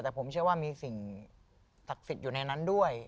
แต่ผมเชื่อว่ามีสิ่งศักดิ์สิทธิ์อยู่ในนั้นด้วย